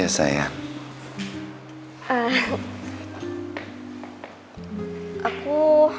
neng senji dan bengkari datangablo